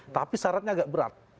tapi syaratnya agak berat